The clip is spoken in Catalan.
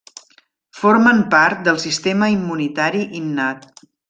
Formen part del sistema immunitari innat.